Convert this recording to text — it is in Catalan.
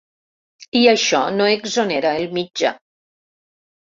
I això no exonera el mitjà.